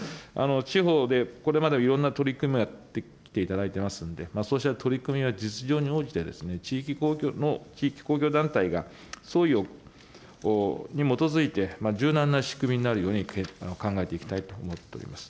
地方でこれまでもいろんな取り組みもやってきていただいてますんで、そうした取り組みや実情に応じて地域公共団体がそういに基づいて柔軟な仕組みになるように考えていきたいと思っております。